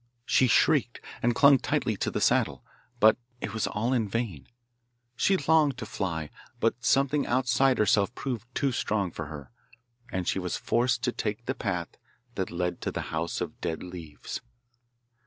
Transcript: She shrieked, and clung tightly to the saddle, but it was all in vain; she longed to fly, but something outside herself proved too strong for her, and she was forced to take the path that led to the House of Dead Leaves.